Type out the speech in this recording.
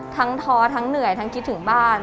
ท้อทั้งเหนื่อยทั้งคิดถึงบ้าน